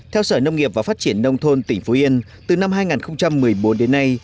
theo sở nông nghiệp và phát triển nông thôn tỉnh phú yên từ năm hai nghìn một mươi bốn đến nay